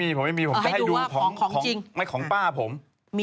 ผมไม่มีผมจะให้ดูของป้าผม